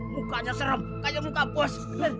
mukanya serem kayak muka bos